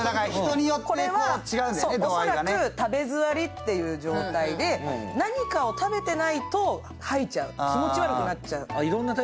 これはおそらく食べづわりっていう状態で何かを食べてないと吐いちゃう、気持ち悪くなっちゃう。